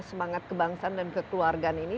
semangat kebangsaan dan kekeluargaan ini